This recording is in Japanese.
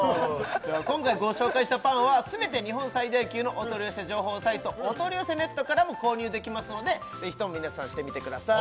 今回ご紹介したパンは全て日本最大級のお取り寄せ情報サイトおとりよせネットからも購入できますのでぜひとも皆さんしてみてください